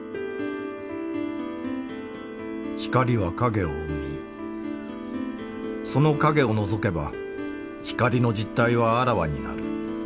光は影を生みその影をのぞけば光の実態はあらわになる。